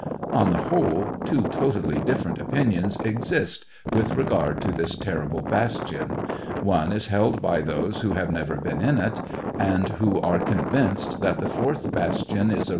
On the whole, two totally different opinions exist with regard to this terrible bastion ; one is held by those who have never been in it, and who are convinced that the fourth bastion is a 22 SEVASTOPOL IN DECEMBER.